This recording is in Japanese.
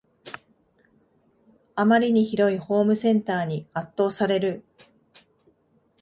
あまりに広いホームセンターに圧倒される